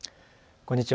こんにちは。